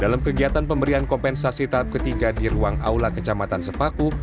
dalam kegiatan pemberian kompensasi tahap ketiga di ruang aula kecamatan sepaku